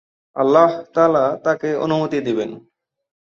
আল্লাহ তা‘আলা তাকে অনুমতি দিবেন।